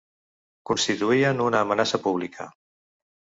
Constituïen una amenaça pública.